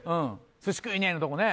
「スシ食いねェ！」のとこね